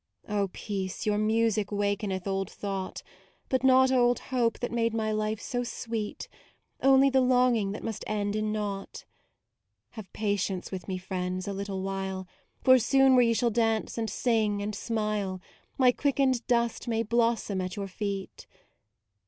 Oh peace, your music wakeneth old thought, But not old hope that made my life so sweet, Only the longing that must end in naught. MAUDE 119 Have patience with me, friends, a lit tle while: For soon where you shall dance and sing and smile, My quickened dust may blossom at your feet.